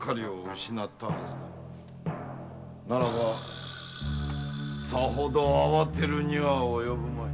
ならばさほど慌てるには及ぶまい。